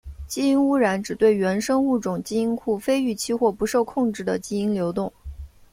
基因污染指对原生物种基因库非预期或不受控制的基因流动。